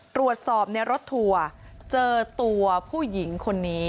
ตรวจสอบในรถทัวร์เจอตัวผู้หญิงคนนี้